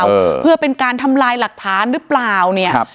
เออเพื่อเป็นการทำลายหลักฐานหรือเปล่าเนี่ยครับ